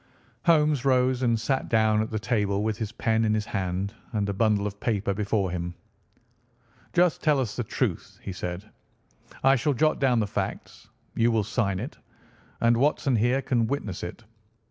Holmes rose and sat down at the table with his pen in his hand and a bundle of paper before him. "Just tell us the truth," he said. "I shall jot down the facts. You will sign it, and Watson here can witness it.